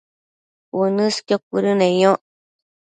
uënësqio cuëdëneyoc